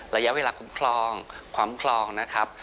ระยะเวลาคุ้มครองความครองนะครับ